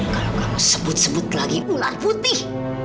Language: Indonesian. kalau kamu sebut sebut lagi ular putih